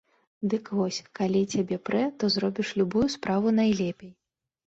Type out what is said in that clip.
Дык вось, калі цябе прэ, то зробіш любую справу найлепей!